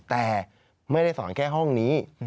แต่ไม่ได้สอนแค่ห้องนี้